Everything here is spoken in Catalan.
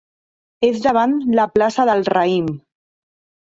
És davant la plaça del Raïm.